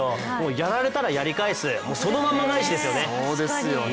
やられたらやり返す、そのまま返しですよね。